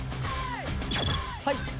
はい。